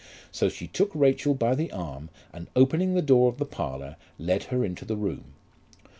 So she took Rachel by the arm, and opening the door of the parlour led her into the room.